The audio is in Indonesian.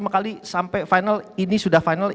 lima kali sampai final ini sudah final